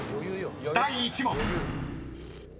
［第１問］